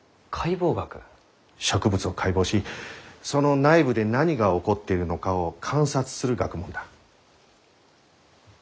植物を解剖しその内部で何が起こっているのかを観察する学問だ。